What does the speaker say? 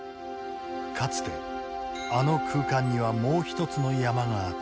かつてあの空間にはもう一つの山があった。